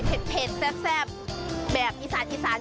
เผ็ดแซ่บแบบอีสานอีสาน